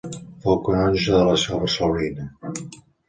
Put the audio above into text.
Fou canonge de la seu barcelonina.